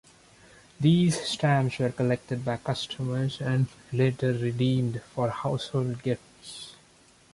These stamps were collected by customers and later redeemed for household gifts.